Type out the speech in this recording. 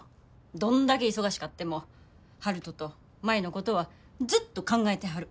どんだけ忙しかっても悠人と舞のことはずっと考えてはる。